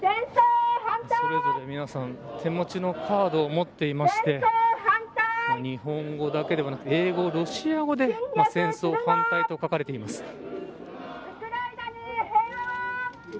それぞれ皆さん手持ちのカードを持っていまして日本語だけではなくて英語、ロシア語で戦争反対と書かれています。